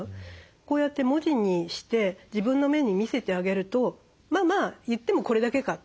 こうやって文字にして自分の目に見せてあげるとまあまあ言ってもこれだけか。